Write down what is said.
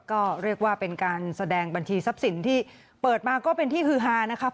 ก็เรียกว่าเป็นการแสดงบัญชีทรัพย์สินที่เปิดมาก็เป็นที่ฮือฮานะครับ